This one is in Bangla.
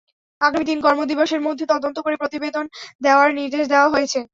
আগামী তিন কর্মদিবসের মধ্যে তদন্ত করে প্রতিবেদন দেওয়ার নির্দেশ দেওয়া হয়েছে।